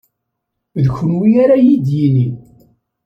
D kenwi ara iyi-d-yinin.